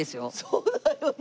そうだよね。